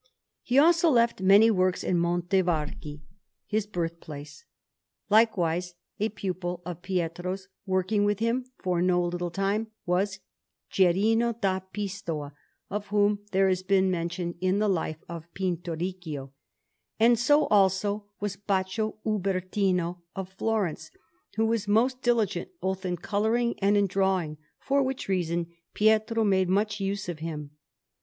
He also left many works in Montevarchi, his birth place. Likewise a pupil of Pietro's, working with him for no little time, was Gerino da Pistoia, of whom there has been mention in the Life of Pinturicchio; and so also was Baccio Ubertino of Florence, who was most diligent both in colouring and in drawing, for which reason Pietro made much use of him.